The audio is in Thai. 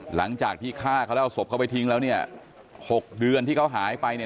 หลังจากที่ฆ่าเขาแล้วเอาศพเขาไปทิ้งแล้วเนี่ย๖เดือนที่เขาหายไปเนี่ย